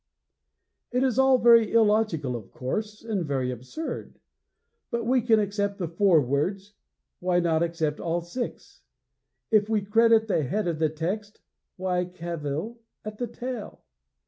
It is all very illogical, of course, and very absurd. If we can accept the four words, why not accept all six? If we credit the head of the text, why cavil at the tail?